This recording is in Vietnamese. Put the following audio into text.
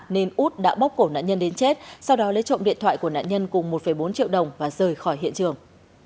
nên út đã bóc cổ nạn nhân đến chết sau đó lấy trộm điện thoại của nạn nhân cùng một bốn triệu đồng và rời khỏi hiện trường